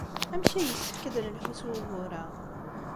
Amek ay yessefk ad d-nelhu s wugur-a?